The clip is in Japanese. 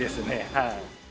はい。